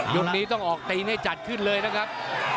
นี้ต้องออกตีนให้จัดขึ้นเลยนะครับ